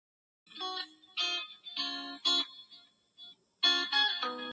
Se graduó de Producción y Dirección de Cine del Hollywood Film Institute de California.